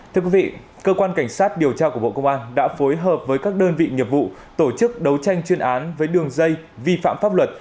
thưa quý vị cơ quan cảnh sát điều tra của bộ công an đã phối hợp với các đơn vị nghiệp vụ tổ chức đấu tranh chuyên án với đường dây vi phạm pháp luật